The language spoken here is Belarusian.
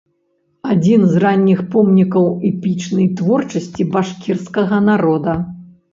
Адзін з ранніх помнікаў эпічнай творчасці башкірскага народа.